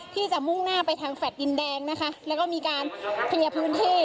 ที่จะมุ่งหน้าไปทางแฟลต์ดินแดงนะคะแล้วก็มีการเคลียร์พื้นที่